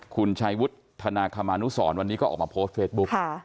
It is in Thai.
คุณชัยวุฒนาคมานุสรวันนี้ก็ออกมาโพสต์เฟซบุ๊ก